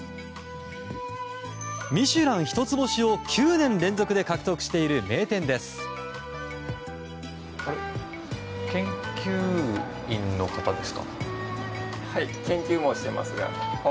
「ミシュラン」一つ星を９年連続で獲得している名店です。